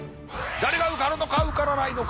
誰が受かるのか受からないのか。